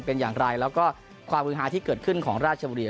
เป็นอย่างไรแล้วก็ความจันทรีย์ที่เกิดขึ้นของราชมณี